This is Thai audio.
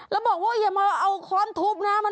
แล้วบอกว่าอย่ามาเอาค้อนทุบนะ